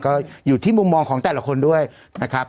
ก็อยู่ที่มุมมองของแต่ละคนด้วยนะครับ